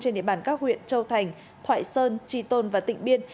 trên địa bàn các huyện châu thành thoại sơn tri tôn và tỉnh biên